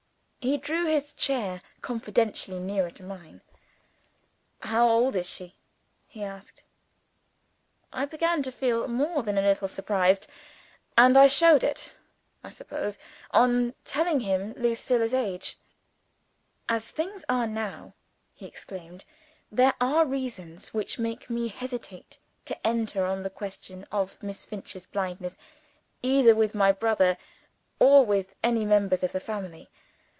He drew his chair confidentially nearer to mine. "How old is she?" he asked. I began to feel more than a little surprised; and I showed it, I suppose, on telling him Lucilla's age. "As things are now," he explained, "there are reasons which make me hesitate to enter on the question of Miss Finch's blindness either with my brother, or with any members of the family.